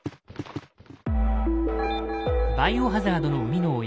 「バイオハザード」の生みの親